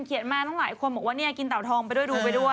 มาตั้งหลายคนบอกว่าเนี่ยกินเต่าทองไปด้วยดูไปด้วย